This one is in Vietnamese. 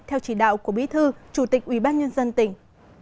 theo chỉ đạo của bí thư chủ tịch ubnd tỉnh